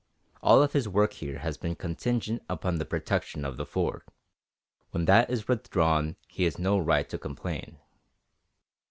All of his work here has been contingent upon the protection of the Fort; when that is withdrawn, he has no right to complain.